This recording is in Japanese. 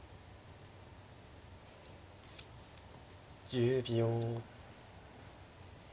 １０秒。